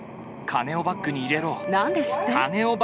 金をバッグに入れろ。